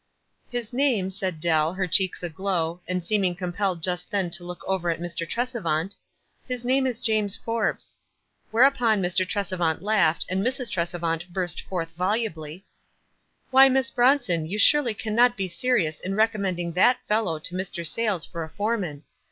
"His name," said Dell, her checks aglow, and seeming compelled just then to look over at Mr. Tresevant ;" his name is James Forbes." Whereupon Mr. Tresevant laughed, and Mrs. Tresevant burst forth volubly, — "Why, Miss Bronson, you surely cannot be serious in recommending that fellow to Mr. Sayles for a foreman.